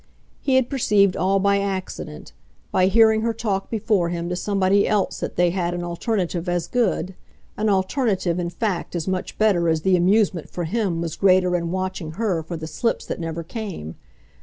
He had perceived all by accident by hearing her talk before him to somebody else that they had an alternative as good; an alternative in fact as much better as the amusement for him was greater in watching her for the slips that never came.